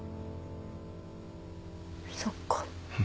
そっか。